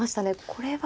これは。